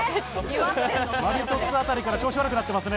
マリトッツォあたりから調子が悪くなっていますね。